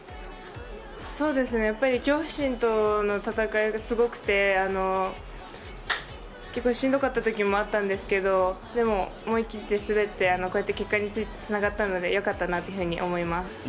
恐怖心との戦いがすごくて、しんどかったときもあったんですけど、思い切って滑って、こうやって結果につながったのでよかったなと思います。